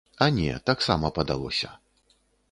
А не, таксама падалося.